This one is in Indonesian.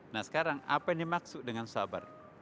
nah sekarang apa yang dimaksud dengan sabar